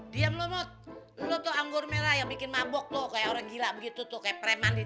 diam lomot lu tuh anggur merah yang bikin mabok tuh kayak orang gila begitu tuh kayak preman di